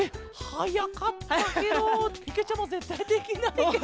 はやかったケロ！けけちゃまぜったいできないケロ！